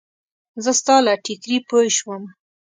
زه ستا له ټیکري پوی شوم.